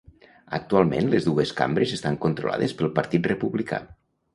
Actualment les dues cambres estan controlades pel Partit Republicà.